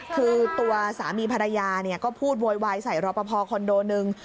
คือตัวสามีภรรยาก็พูดโวยวายใส่รอปภคอนโดหนึ่ง